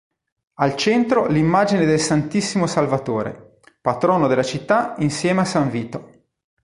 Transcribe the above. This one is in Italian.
Al centro l'immagine del Santissimo Salvatore, patrono della città insieme a San Vito.